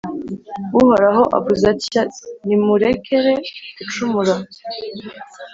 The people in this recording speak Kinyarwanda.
Uhoraho avuze atya: nimurekere gucumura